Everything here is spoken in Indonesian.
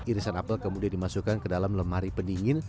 irisan apel kemudian dimasukkan ke dalam lemari pendingin